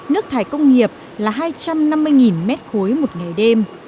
nước thải công nghiệp là hai trăm năm mươi m ba một ngày đêm